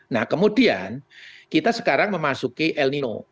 nah kemudian kita sekarang memasuki el nino